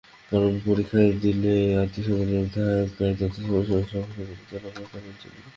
কারণ, পরীক্ষা দিলেই আত্মীয়স্বজনের ধাক্কায় সংসারযাত্রার ঢালু পথে আমাকে গড়িয়ে নিয়ে চলবে।